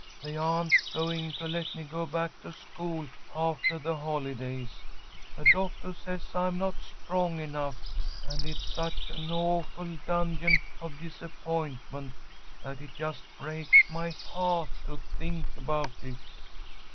They aren't going to let me go back to school aftah the holidays. The doctah says I am not strong enough, and it is such an awful Dungeon of Disappointment that it just breaks my hah't to think about it."